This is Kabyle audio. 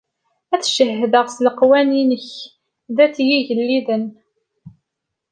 Ad d-cehhdeɣ s leqwanen-ik ddat yigelliden.